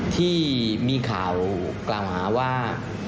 ที่มีข่าวกรามาว่า